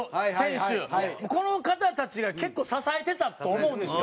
この方たちが結構支えてたと思うんですよ。